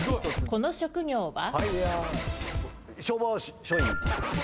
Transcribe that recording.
この職業は？